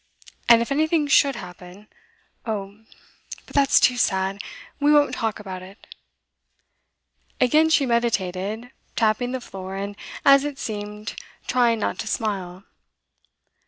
And if anything should happen oh, but that's too sad; we won't talk about it.' Again she meditated, tapping the floor, and, as it seemed, trying not to smile.